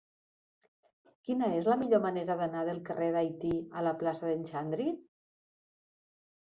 Quina és la millor manera d'anar del carrer d'Haití a la plaça d'en Xandri?